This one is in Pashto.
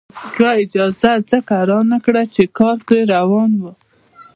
چا اجازه ځکه رانکړه چې کار پرې روان وو.